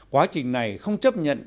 quá trình này không chấp nhận